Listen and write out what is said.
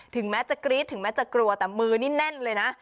ถึงแม้จะกรี๊ดถึงแม้จะกลัวแต่มือนี่แน่นเลยนะ